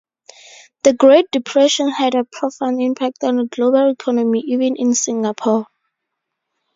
The Great Depression had a profound impact on the global economy, even in Singapore.